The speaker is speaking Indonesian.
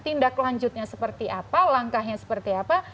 tindak lanjutnya seperti apa langkahnya seperti apa